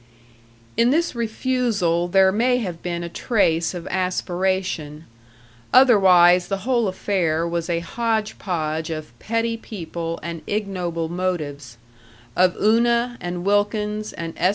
In this refusal there may have been a trace of aspiration. Otherwise the whole affair was a hodge podge of petty people and ignoble motives of Una and Wilkins and S.